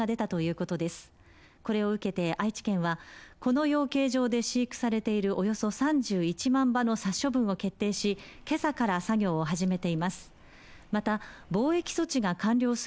これを受けて愛知県はこの養鶏場で飼育されているおよそ３１万羽の殺処分を決定し今朝から作業を始めています。